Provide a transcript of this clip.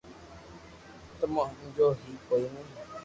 تمو ھمجو ھي ڪوئي ني